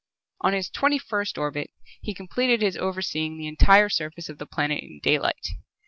On his twenty first orbit he completed his overseeing the entire surface of the planet in daylight.